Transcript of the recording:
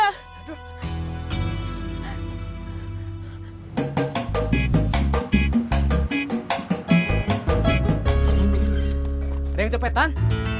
ada yang cepetan